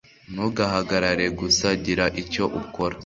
Ntugahagarare gusa. Gira icyo ukora.